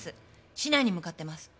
市内に向かってます。